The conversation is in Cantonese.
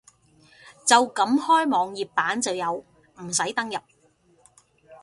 就咁開網頁版就有，唔使登入